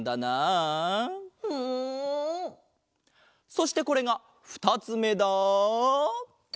そしてこれが２つめだ！